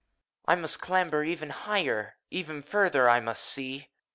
I must clamber ever higher, Ever further must X see.